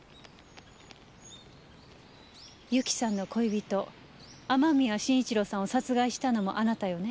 由紀さんの恋人雨宮慎一郎さんを殺害したのもあなたよね？